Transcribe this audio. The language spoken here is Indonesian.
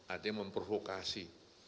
ada yang memprovokasi